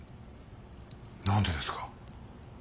何でですか？